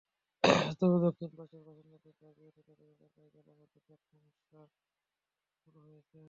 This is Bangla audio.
তবে দক্ষিণ পাশের বাসিন্দাদের দাবি, এতে তাঁদের এলাকায় জলাবদ্ধতার সমস্যা প্রকট হয়েছে।